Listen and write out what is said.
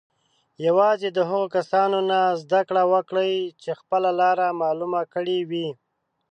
یوازې د هغو کسانو نه زده کړه وکړئ چې خپله لاره معلومه کړې وي.